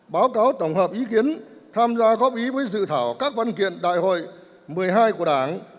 báo cáo tổng hợp ý kiến tham gia góp ý với dự thảo các văn kiện đại hội một mươi hai của đảng